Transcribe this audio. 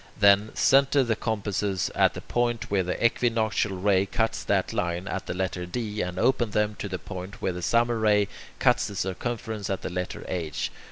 Then, centre the compasses at the point where the equinoctial ray cuts that line, at the letter D, and open them to the point where the summer ray cuts the circumference at the letter H.